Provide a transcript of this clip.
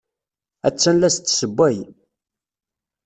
Attan la as-d-tessewway.